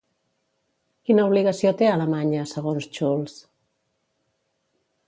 Quina obligació té Alemanya, segons Schulz?